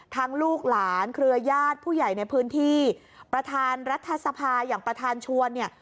ลูกหลานเครือญาติผู้ใหญ่ในพื้นที่ประธานรัฐสภาอย่างประธานชวนเนี่ย